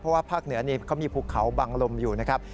เพราะว่าภาคเหนือนี่เขามีภูเขาบังลมอยู่นะครับ